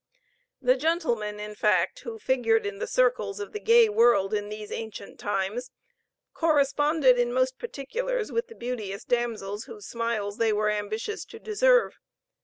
The gentlemen, in fact, who figured in the circles of the gay world in these ancient times, corresponded in most particulars with the beauteous damsels whose smiles they were ambitious to deserve.